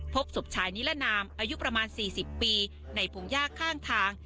พบศพชายนิลนามอายุประมาณสี่สิบปีในภูมิยากข้างทาง